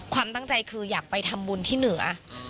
ความตั้งใจคืออยากไปทำบุญที่เหนือ